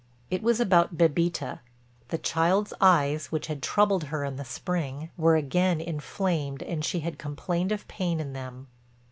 It was about Bébita—the child's eyes, which had troubled her in the spring, were again inflamed and she had complained of pain in them.